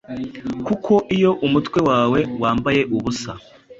kuko, iyo umutwe wawe wambaye ubusa,